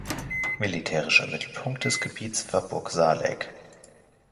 Militärischer Mittelpunkt des Gebietes war Burg Saaleck.